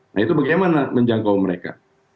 nah itu bagaimana menjangkau mereka